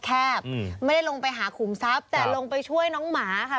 ไม่ได้ลงไปหาขุมทรัพย์แต่ลงไปช่วยน้องหมาค่ะ